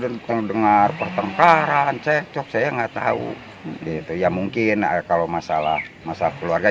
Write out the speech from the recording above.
denger denger pertengkaran cekcok saya enggak tahu itu ya mungkin kalau masalah masalah keluarga